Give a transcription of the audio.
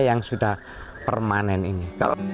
yang sudah permanen ini